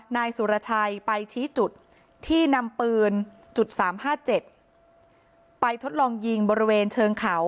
นายสุรชัยไปชี้จุดที่นำปืนจุดสามห้าเจ็ดไปทดลองยิงบริเวณเชิงเขา